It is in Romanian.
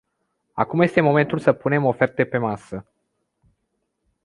Acum este momentul să punem oferte pe masă.